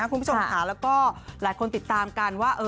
คุณผู้ชมค่ะแล้วก็หลายคนติดตามกันว่า